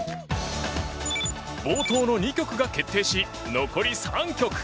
冒頭の２曲が決定し残り３曲。